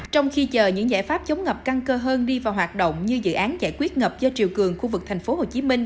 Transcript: trong khi chờ những giải pháp chống ngập căng cơ hơn đi vào hoạt động như dự án giải quyết ngập do triều cường khu vực thành phố hồ chí minh